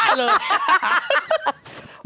ฮ่า